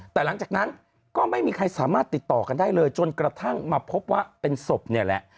แต่หลังจากนั้นก็ไม่มีใครสามารถติดต่อกันได้เลยจนกระทั่งมาพบว่าเป็นศพเนี่ยแหละ